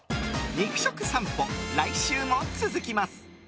肉食さんぽ、来週も続きます。